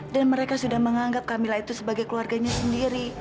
dan mereka sudah menganggap kamila itu sebagai keluarganya sendiri